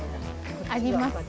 あります？